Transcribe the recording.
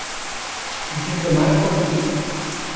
It is the mark of the beast.